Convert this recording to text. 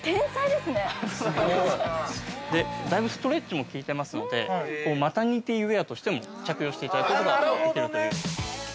◆で、だいぶストレッチもきいてますんで、マタニティーウエアとしても着用していただくことができるという。